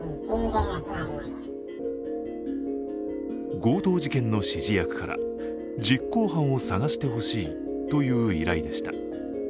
強盗事件の指示役から、実行犯を探してほしいという依頼でした。